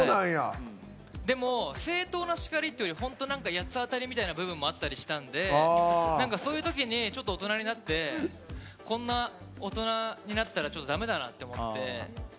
でも、正当な叱りっていうより八つ当たりみたいな部分もあったりしたんでそういうときにちょっと大人になってこんな大人になったらだめだなって思って。